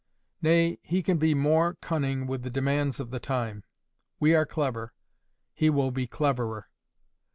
Nay, he can be more cunning with the demands of the time. We are clever: he will be cleverer.